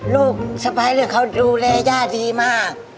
ลูกสภัยแบบเขาดูแลยาดีมาก